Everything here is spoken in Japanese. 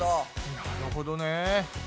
なるほどね。